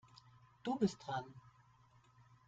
Du bist dran.